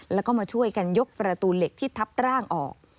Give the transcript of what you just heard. แล้วก็มาช่วยกันยกประตูเหล็กที่ทับร่างออก